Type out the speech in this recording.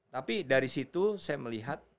tapi dari situ saya melihat